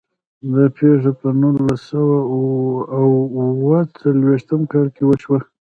دا پیښه په نولس سوه او اووه څلوېښتم کال کې وشوه.